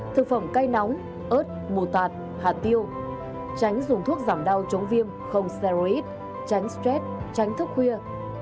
thực phẩm cây nóng ớt mù tạt hạt tiêu tránh dùng thuốc giảm đau chống viêm không xe tránh stress tránh thức khuya